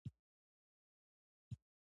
دا سندره پخوانۍ ده.